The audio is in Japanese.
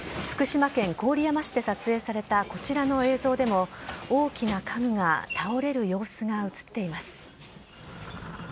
福島県郡山市で撮影されたこちらの映像でも大きな家具が倒れる様子が映っています。